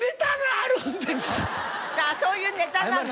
ああそういうネタなの？